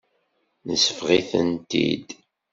Nesbeɣ-itent-id.